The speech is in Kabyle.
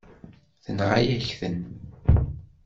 Tenɣa-yak-ten.